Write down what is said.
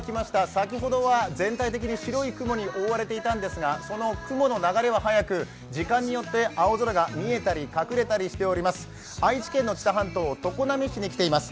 先ほどは全体的に白い雲に覆われていたんですがその雲の流れは速く、時間によって青空が見えたり隠れたりしています。